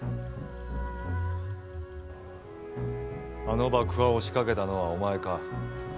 あの爆破を仕掛けたのはお前か？